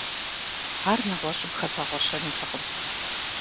Ар нэгъуэщӀым хэзгъэгъуэщэнутэкъым.